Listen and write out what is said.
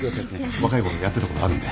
若い頃やってたことあるんで。